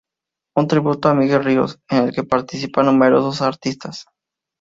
Un tributo a Miguel Ríos", en el que participan numerosos artistas.